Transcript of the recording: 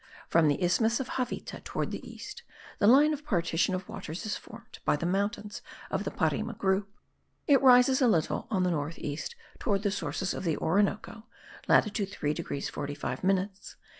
From the isthmus of Javita towards the east, the line of the partition of waters is formed by the mountains of the Parime group; it first rises a little on the north east towards the sources of the Orinoco (latitude 3 degrees 45 minutes